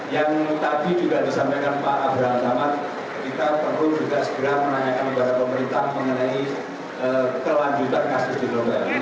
yang tadi juga disampaikan pak abraham samad kita perlu juga segera menanyakan kepada pemerintah mengenai kelanjutan kasus di global